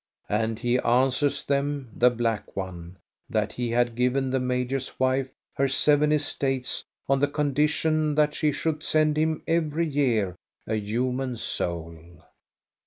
And he answers them, the black one, that he had given the major's wife her seven estates on the con dition that she should send him every year a human soul.